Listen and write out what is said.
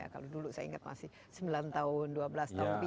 kalau dulu saya ingat masih sembilan tahun dua belas tahun lebih